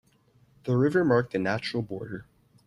The river marked a natural border.